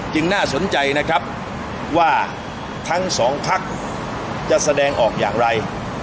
น่าสนใจนะครับว่าทั้งสองพักจะแสดงออกอย่างไร